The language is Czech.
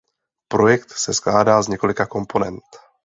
Projekt se skládá z několika komponent.